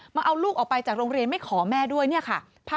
มาเอาลูกออกไปจากโรงเรียนไม่ขอแม่ด้วยเนี่ยค่ะ